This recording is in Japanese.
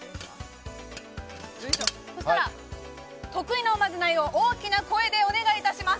そしたら、得意のおまじないを大きな声でお願いいたします。